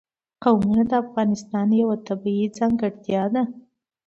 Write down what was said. قومونه د افغانستان یوه طبیعي ځانګړتیا ده.